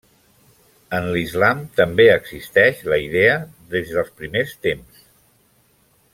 En l'islam també existeix la idea des dels primers temps.